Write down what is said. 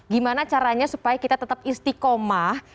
gimana caranya supaya kita tetap istiqomah